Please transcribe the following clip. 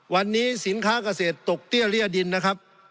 วันนี้สินค้าเกษตรตกเตี้ยเรียดินนะครับ